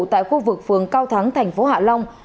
tại khu vực phường cao thắng thành phố hạ long